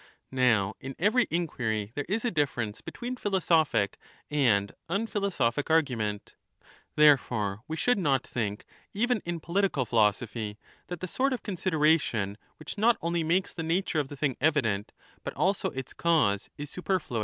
Now in every inquiry there is a 35 difference between philosophic and unphilosophic argument; therefore we should not think even in political philosophy that the sort of consideration which not only makes the nature of the thing evident but also its cause is superfluous; 20 25 = E.